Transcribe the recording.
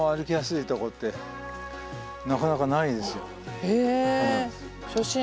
へえ。